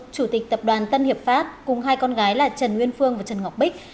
chủ tịch tập đoàn tân hiệp pháp cùng hai con gái là trần nguyên phương và trần ngọc bích